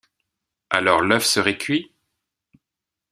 Alors l’œuf serait cuit?